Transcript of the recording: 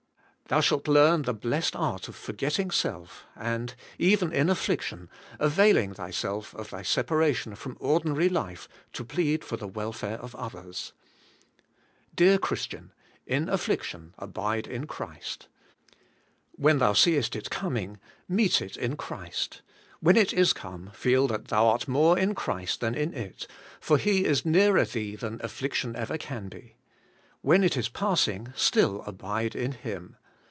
Thou shalt learn the blessed art of forgetting self, and, even in afflic tion, availing thyself of thy separation frgm ordinary 148 ABIDE IN CHRIST: life to plead for the welfare of others. Dear Chris tiai], in affliction abide in Christ. When thou seest it coming, meet it in Christ; when it is come, feel that thon art more in Christ than in it, for He is nearer thee than affliction ever can be; when it is passing, still abide in Him.